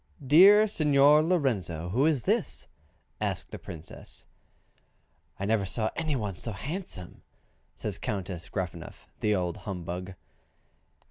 "Dear Signor Lorenzo, who is this?" asked the Princess. "I never saw any one so handsome," says Countess Gruffanuff (the old humbug).